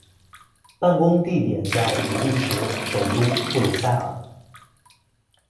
办公地点在比利时首都布鲁塞尔。